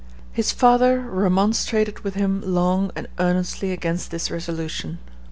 His father remonstrated with him long and earnestly against this resolution.